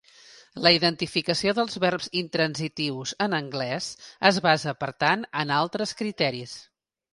La identificació dels verbs intransitius en anglès es basa per tant en altres criteris.